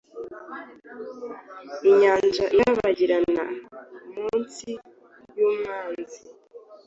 inyanja irabagirana munsi yumwanzi